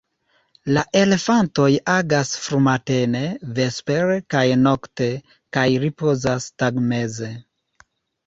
La elefantoj agas frumatene, vespere kaj nokte kaj ripozas tagmeze.